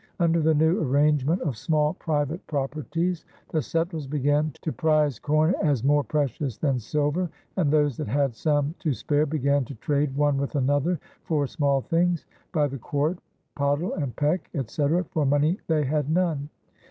Under the new arrangement of small private properties, the settlers began "to prise corne as more pretious than silver, and those that had some to spare begane to trade one with another for small things, by the quart, pottle, and peck, etc., for money they had none."